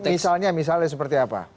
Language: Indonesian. misalnya seperti apa